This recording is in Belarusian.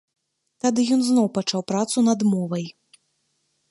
Тады ён зноў пачаў працу над мовай.